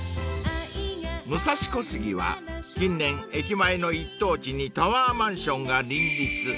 ［武蔵小杉は近年駅前の一等地にタワーマンションが林立］